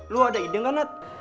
lo ada ide gak nat